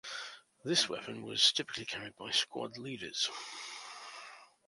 This weapon was typically carried by squad leaders.